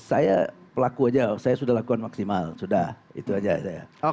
saya pelaku aja saya sudah lakukan maksimal sudah itu aja saya